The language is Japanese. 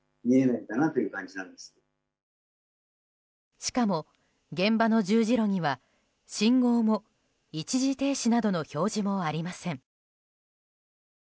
しかも現場の十字路には信号も一時停止の表示などもありません。